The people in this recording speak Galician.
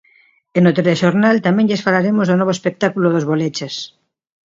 E no telexornal tamén lles falaremos do novo espectáculo dos Bolechas.